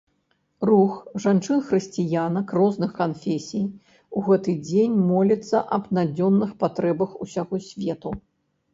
Рух жанчын-хрысціянак розных канфесій у гэты дзень моліцца аб надзённых патрэбах усяго свету.